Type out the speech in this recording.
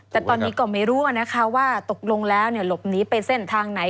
แต่ตอนนี้ก็ไม่รู้นะคะว่าตกลงแล้วหลบหนีไปเส้นทางไหน